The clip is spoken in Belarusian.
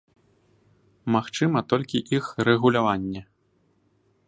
Магчыма толькі іх рэгуляванне.